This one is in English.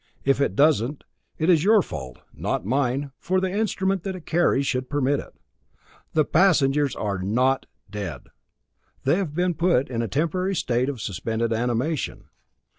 If it doesn't, it is your fault, not mine, for the instruments that it carries should permit it. The passengers are NOT dead! They have been put in a temporary state of suspended animation.